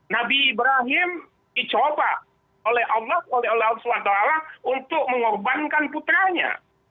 nabi ibrahim dicoba oleh allah oleh allah swt untuk mengorbankan putranya